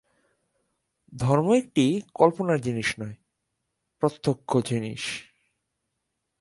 ধর্ম একটা কল্পনার জিনিষ নয়, প্রত্যক্ষ জিনিষ।